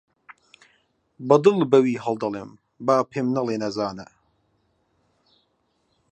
بە دڵ بە وی هەڵدەڵێم با پێم نەڵێ نەزانە